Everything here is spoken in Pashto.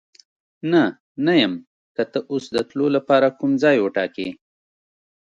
نه، نه یم، که ته اوس د تلو لپاره کوم ځای وټاکې.